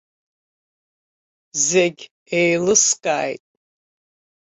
Зегь еилыскааит!